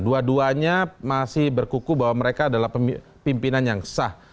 dua duanya masih berkuku bahwa mereka adalah pimpinan yang sah